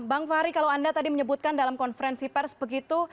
bang fahri kalau anda tadi menyebutkan dalam konferensi pers begitu